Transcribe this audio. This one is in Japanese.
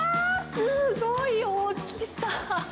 すごい大きさ。